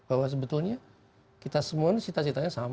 bahwa sebetulnya kita semua ini cita citanya sama